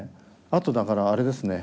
あとだからあれですね